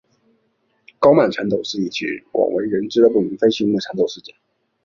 高曼缠斗是一起广为人知的不明飞行物缠斗事件。